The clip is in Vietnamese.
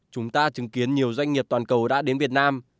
chúng ta chứng kiến nhiều doanh nghiệp toàn cầu đã đến việt nam